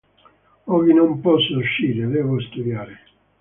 Oggi non posso uscire, devo studiare.